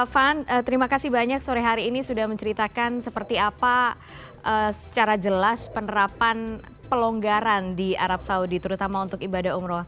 van terima kasih banyak sore hari ini sudah menceritakan seperti apa secara jelas penerapan pelonggaran di arab saudi terutama untuk ibadah umroh